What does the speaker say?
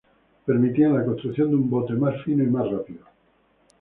Permitían la construcción de un bote más fino y más rápido.